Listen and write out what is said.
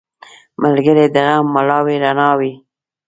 ملګری د غم مړاوې رڼا وي